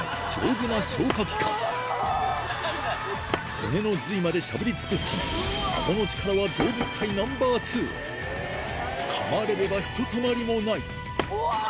骨の髄までしゃぶり尽くすためアゴの力は動物界Ｎｏ．２かまれればひとたまりもないうわぁ！